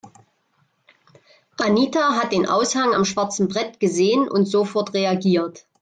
Anita hat den Aushang am schwarzen Brett gesehen und sofort reagiert.